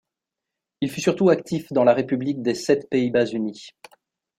Il fut surtout actif dans la République des Sept Pays-Bas-Unis.